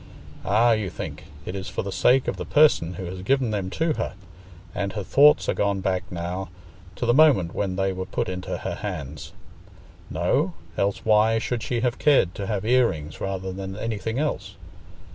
Ah, you think, it is for the sake of the person who has given them to her, and her thoughts are gone back now to the moment when they were put into her hands. No; else why should she have cared to have ear rings rather than anything else?